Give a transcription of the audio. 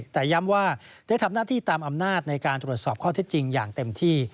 แต่ย้ำว่าได้ทำหน้าที่ตามอำนาจในการตรวจสอบข้อเท็จจริงอย่างเต็มที่